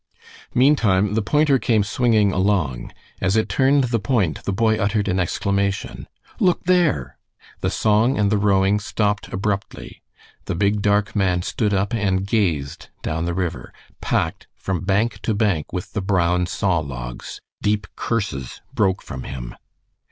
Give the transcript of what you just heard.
Meantime, the pointer came swinging along. As it turned the point the boy uttered an exclamation "Look there!" The song and the rowing stopped abruptly; the big, dark man stood up and gazed down the river, packed from bank to bank with the brown saw logs; deep curses broke from him.